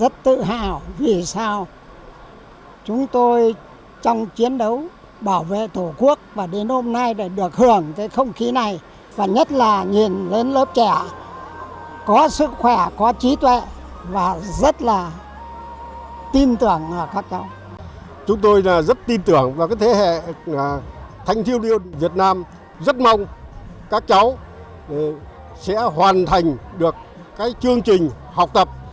thế hệ thanh thiêu liêu việt nam rất mong các cháu sẽ hoàn thành được chương trình học tập